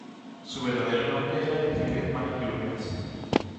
Su verdadero nombre era Helen Marie Jurgens.